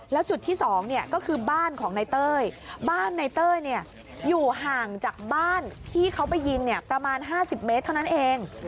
แล้วจุดที่สองเนี่ยก็คือบ้านของในเต้ยบ้านในเต้ยเนี่ยอยู่ห่างจากบ้านที่เขาไปยิงเนี่ยประมาณห้าสิบเมตรเท่านั้นเอง